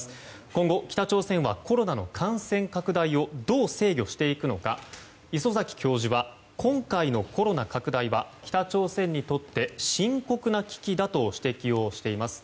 今後、北朝鮮はコロナの感染拡大をどう制御していくのか礒崎教授は今回のコロナ拡大は北朝鮮にとって深刻な危機だと指摘をしています。